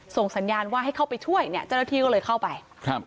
สัญญาณว่าให้เข้าไปช่วยเนี่ยเจ้าหน้าที่ก็เลยเข้าไปครับ